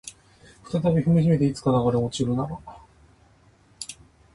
再び踏みしめていつか流れ落ちるなら